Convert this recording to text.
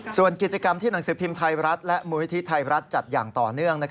ส่วนกิจกรรมที่หนังสือพิมพ์ไทยรัฐและมูลนิธิไทยรัฐจัดอย่างต่อเนื่อง